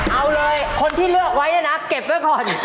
เอาเลยคนที่เลือกไว้เนี่ยนะเก็บไว้ก่อน